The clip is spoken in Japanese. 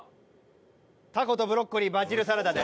たことブロッコリーバジルサラダで。